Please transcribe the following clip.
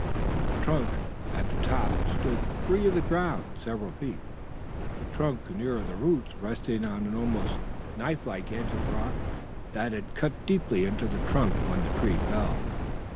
The trunk at the top stood free of the ground several feet, the trunk nearer the roots resting on an almost knife like edge of rock that had cut deeply into the trunk when the tree fell.